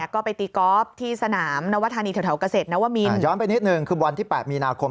ก็ไปตีกอล์ฟที่สนามนวธานีแถวเกษตรนวมินย้อนไปนิดหนึ่งคือวันที่๘มีนาคม